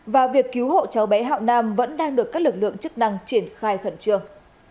và việc cứu hộ cháu bé hạng nam vẫn đang được các lực lượng chức năng triển khai khẩn trương